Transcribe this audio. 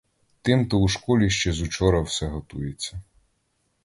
Тим-то у школі ще з учора все готується.